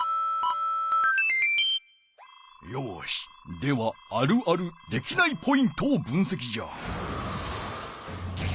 ではあるあるできないポイントを分せきじゃ。